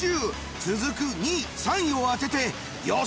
続く２位３位を当てて予想